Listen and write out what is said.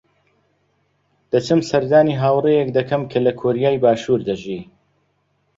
دەچم سەردانی هاوڕێیەک دەکەم کە لە کۆریای باشوور دەژی.